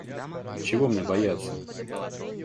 Чего мне бояться?